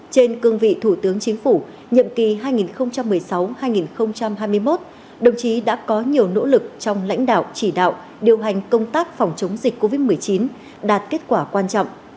trên cương vị thủ tướng chính phủ nhiệm kỳ hai nghìn một mươi sáu hai nghìn hai mươi một đồng chí đã có nhiều nỗ lực trong lãnh đạo chỉ đạo điều hành công tác phòng chống dịch covid một mươi chín đạt kết quả quan trọng